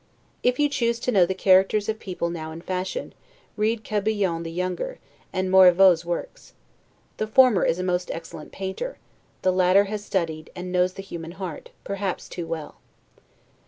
If you choose to know the characters of people now in fashion, read Crebillon the younger, and Marivaux's works. The former is a most excellent painter; the latter has studied, and knows the human heart, perhaps too well.